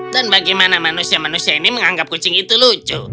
dan bagaimana manusia manusia ini menganggap kucing itu lucu